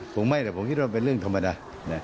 คงไม่แต่ผมคิดว่าเป็นเรื่องธรรมดา